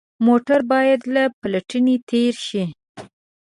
موټر باید له پلټنې تېر شي.